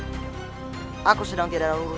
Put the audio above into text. dan menangkap kake guru